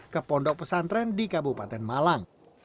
ke pondok pesantren di kabupaten malang